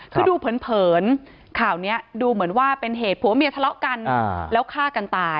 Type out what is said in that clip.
คือดูเผินข่าวนี้ดูเหมือนว่าเป็นเหตุผัวเมียทะเลาะกันแล้วฆ่ากันตาย